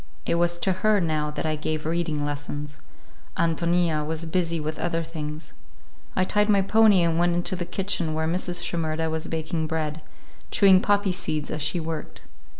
It was to her, now, that I gave reading lessons; Ántonia was busy with other things. I tied my pony and went into the kitchen where Mrs. Shimerda was baking bread, chewing poppy seeds as she worked.